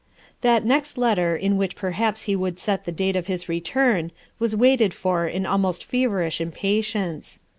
That next letter in which perhaps he would set the date of his return was waited for in almost feverish impatience.